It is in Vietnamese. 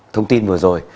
thông tin vừa rồi